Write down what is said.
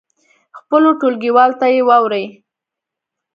خپلو ټولګیوالو ته یې واوروئ.